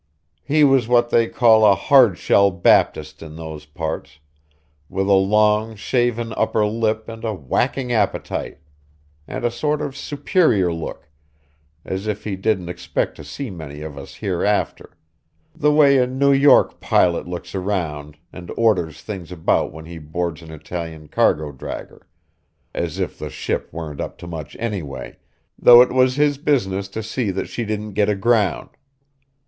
He was what they call a Hard shell Baptist in those parts, with a long, shaven upper lip and a whacking appetite, and a sort of superior look, as if he didn't expect to see many of us hereafter the way a New York pilot looks round, and orders things about when he boards an Italian cargo dragger, as if the ship weren't up to much anyway, though it was his business to see that she didn't get aground.